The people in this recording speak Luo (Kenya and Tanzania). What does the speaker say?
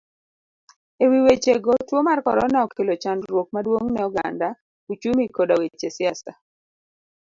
Ewi wechego, tuo mar korona okelo chandruok maduong ne oganda, uchumi koda weche siasa.